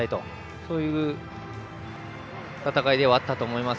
そういう戦いではあったと思います。